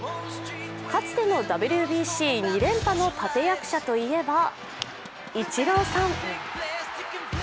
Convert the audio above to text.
かつてのＷＢＣ２連覇の立て役者といえばイチローさん。